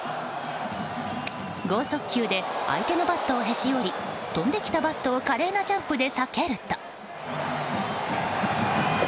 豪速球で相手のバットをへし折り飛んできたバットを華麗なジャンプで避けると。